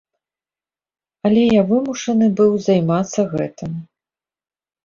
Але я вымушаны быў займацца гэтым.